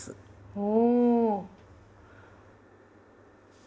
おお！